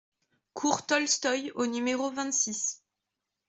Cours Tolstoï au numéro vingt-six